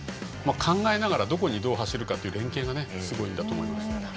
考えながら、どこにどう走るのかという連携がすごいんだと思います。